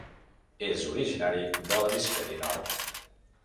És originari de l'hemisferi nord.